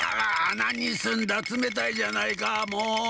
何すんだつめたいじゃないかもう！